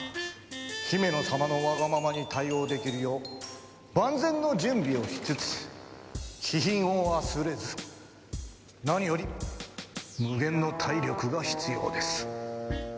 ヒメノ様のわがままに対応できるよう万全の準備をしつつ気品を忘れず何より無限の体力が必要です。